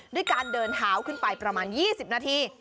ด้วยการเดินเท้าขึ้นไปประมาณ๒๐นาที